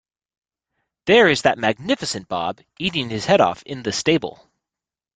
There is that magnificent Bob, eating his head off in the stable.